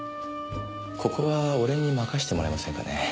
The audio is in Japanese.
ここは俺に任せてもらえませんかね？